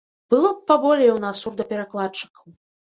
Было б паболей у нас сурдаперакладчыкаў.